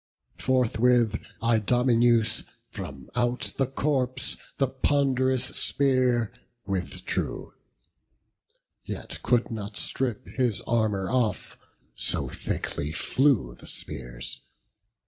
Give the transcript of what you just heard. Forthwith Idomeneus from out the corpse The pond'rous spear withdrew; yet could not strip His armour off; so thickly flew the spears.